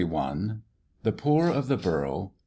THE POOR OF THE BOROUGH.